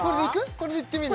これでいってみる？